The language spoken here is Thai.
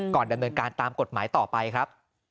ดำเนินการตามกฎหมายต่อไปครับ